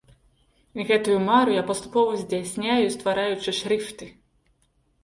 Гэтую мару я паступова здзяйсняю, ствараючы шрыфты.